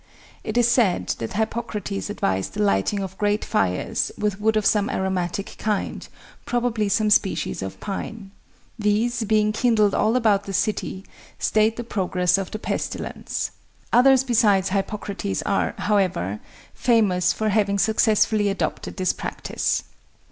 It is said that Hippocrates advised the lighting of great fires with wood of some aromatic kind, probably some species of pine. These, being kindled all about the city, stayed the progress of the pestilence. Others besides Hippocrates are, however, famous for having successfully adopted this practice.